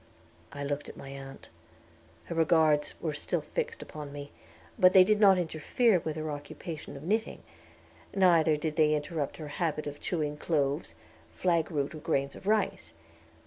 I looked at my aunt; her regards were still fixed upon me, but they did not interfere with her occupation of knitting; neither did they interrupt her habit of chewing cloves, flagroot, or grains of rice.